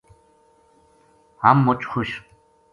ہم مُچ خوش